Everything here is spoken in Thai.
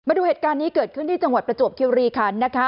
ดูเหตุการณ์นี้เกิดขึ้นที่จังหวัดประจวบคิวรีคันนะคะ